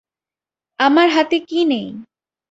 আমার হাতে কী নেই?